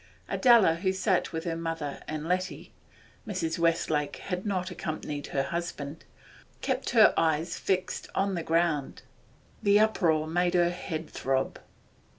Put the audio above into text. Adela, who sat with her mother and Letty (Mrs. Westlake had not accompanied her husband), kept her eyes fixed on the ground; the uproar made her head throb.